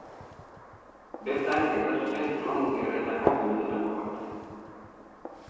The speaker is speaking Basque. Bertan gertatu zen Klon Gerretako guduetako bat.